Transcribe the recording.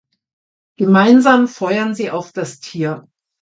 Gemeinsam feuern sie auf das Tier.